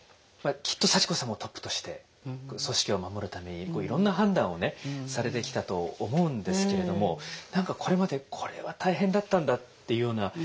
きっと幸子さんもトップとして組織を守るためにいろんな判断をされてきたと思うんですけれども何かこれまでこれは大変だったんだっていうような。